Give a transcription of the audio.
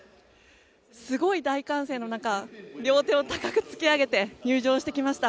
すごい大歓声の中両手を高く突き上げて入場してきました。